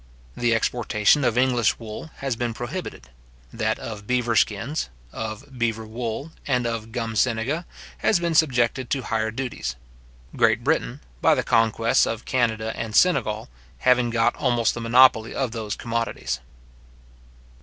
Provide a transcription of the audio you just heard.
The exportation of English wool has been prohibited. That of beaver skins, of beaver wool, and of gum senega, has been subjected to higher duties; Great Britain, by the conquests of Canada and Senegal, having got almost the monopoly of those commodities.